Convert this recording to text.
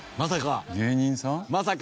まさか？